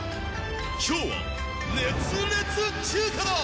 今日は熱烈中華だ。